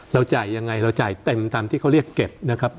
จ่ายยังไงเราจ่ายเต็มตามที่เขาเรียกเก็บนะครับ